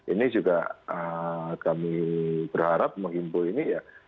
ini juga kami berharap menghimbau ini ya